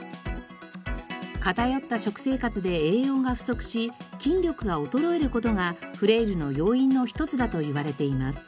偏った食生活で栄養が不足し筋力が衰える事がフレイルの要因の一つだといわれています。